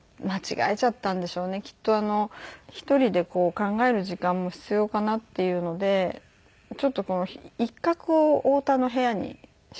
きっと１人で考える時間も必要かなっていうのでちょっと一角を太田の部屋にしちゃったんですね。